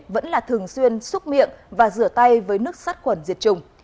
vẫn là thường xuyên xúc miệng và rửa tay với nước sắt quần diệt trùng